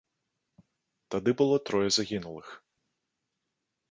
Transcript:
Тады было трое загінулых.